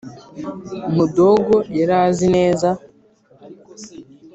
mudogo yari azi neza